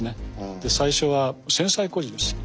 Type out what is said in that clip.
で最初は戦災孤児です。